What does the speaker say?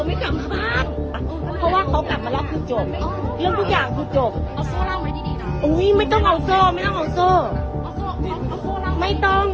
ไม่ต้องไม่ต้องเอาโซ่ล่ะ